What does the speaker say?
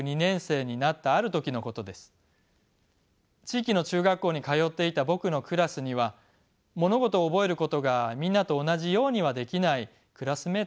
地域の中学校に通っていた僕のクラスには物事を覚えることがみんなと同じようにはできないクラスメートがいました。